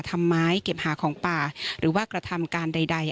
ทำไมเก็บหาของป่าหรือว่ากระทำการใด